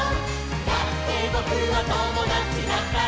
「だってぼくはともだちだから」